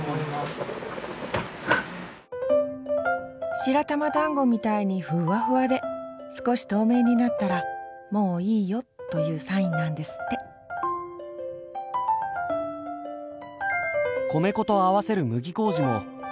白玉だんごみたいにふわふわで少し透明になったら「もういいよ」というサインなんですって米粉と合わせる麦麹も手作りしています。